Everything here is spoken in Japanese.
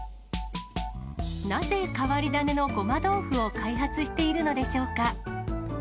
なぜ変わり種のごま豆腐を開発しているのでしょうか。